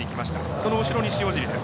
その後ろに塩尻です。